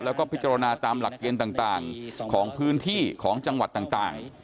แล้วก็พิจารณาตามหลักเกณฑ์ต่างของพื้นที่ของจังหวัดต่าง